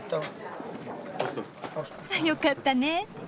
よかったね。